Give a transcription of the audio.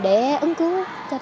để ứng cứu